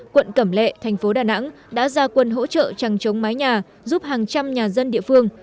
quận cẩm lệ thành phố đà nẵng đã ra quân hỗ trợ trằng chống mái nhà giúp hàng trăm nhà dân địa phương